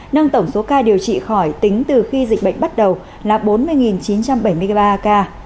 nâng tổng số ca điều trị khỏi tính từ khi dịch bệnh bắt đầu là bốn mươi chín trăm bảy mươi ba ca